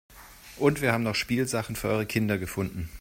Und wir haben noch Spielsachen für eure Kinder gefunden.